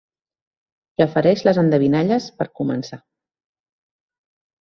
Prefereix les endevinalles, per començar.